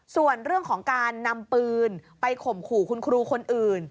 ส่วนเรื่องของการนำปืนไปข่มขู่คุณครูคนอื่น